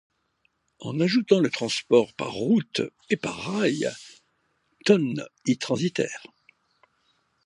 En ajoutant le transport par route et par rail, tonnes y transitèrent.